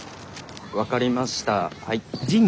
分かりましたはい。